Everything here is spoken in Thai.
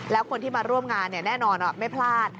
แล้วคนที่มาร่วมงานแน่นอนไม่พลาด